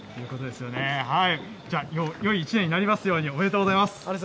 よい一年になりますように、おめでとうございます。